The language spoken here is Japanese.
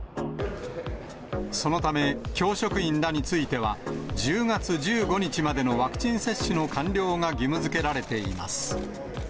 そのため、教職員らについては、１０月１５日までのワクチン接種の完了が義務づけられています。